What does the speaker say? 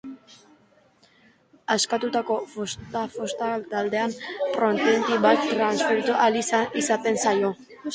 Askatutako fosfato taldea proteina bati transferitu ahal izaten zaio.